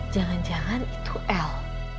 jangan jangan itu el